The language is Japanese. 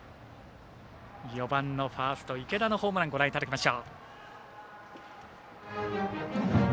４番のファースト池田のホームランご覧いただきましょう。